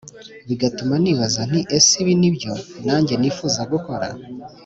Bigatuma nibaza nti ese ibi ni byo nanjye nifuza gukora